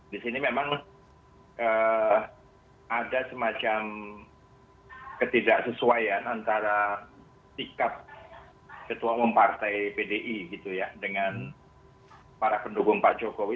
di sini memang ada semacam ketidaksesuaian antara sikap ketua umum partai pdi gitu ya dengan para pendukung pak jokowi